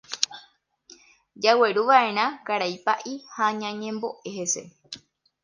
Jagueruva'erã karai Pa'i ha ñañembo'e hese.